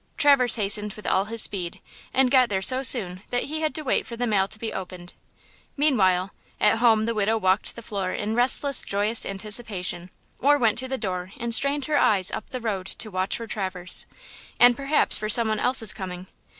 Traverse hastened with all his speed, and got there so soon that he had to wait for the mail to be opened. Meanwhile, at home the widow walked the floor in restless, joyous anticipation, or went to the door and strained her eyes up the road to watch for Traverse, and perhaps for some one else's coming.